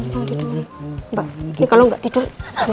mbak ini kalau gak tidur